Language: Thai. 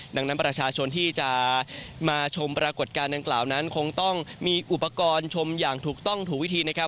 ดังนั้นประชาชนที่จะมาชมปรากฏการณ์ดังกล่าวนั้นคงต้องมีอุปกรณ์ชมอย่างถูกต้องถูกวิธีนะครับ